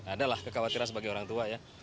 ada lah kekhawatiran sebagai orang tua ya